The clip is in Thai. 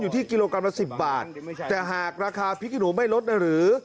แต่หากราคาพิกิโหนูไม่ลดน่ะหรือ